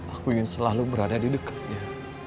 aku ingin selalu berada di dekatnya